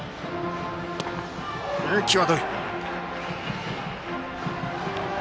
際どい。